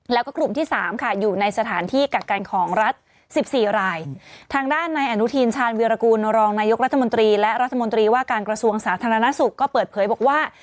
แล้วก็กลุ่มที่สามค่ะอยู่ในสถานที่กักกันของรัฐสิบสี่รายทางด้านในอนุทีนชาญวิรากูลรองนายกรัฐมนตรีและรัฐมนตรีว่าการกระทรวงสาธารณสุขก็เปิดเผยบอกว่า